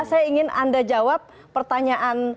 saya ingin anda jawab pertanyaan